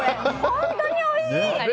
本当においしい！